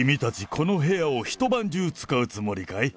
この部屋を一晩中使うつもりかい？